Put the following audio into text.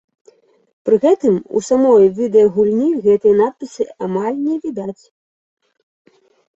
Пры гэтым у самой відэагульні гэтыя надпісы амаль не відаць.